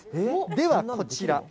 では、こちら。